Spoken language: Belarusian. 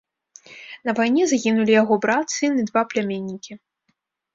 На вайне загінулі яго брат, сын і два пляменнікі.